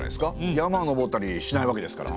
山を登ったりしないわけですから。